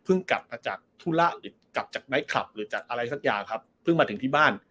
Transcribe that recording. กลับมาจากธุระหรือกลับจากไนท์คลับหรือจากอะไรสักอย่างครับเพิ่งมาถึงที่บ้าน